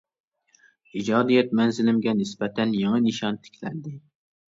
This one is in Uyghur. ئىجادىيەت مەنزىلىمگە نىسبەتەن يېڭى نىشان تىكلەندى.